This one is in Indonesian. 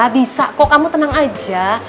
bisa kok kamu tenang aja